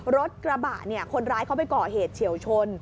รถกระบะเนี่ยคนร้ายเขาไปก่อเหตุเฉียวชน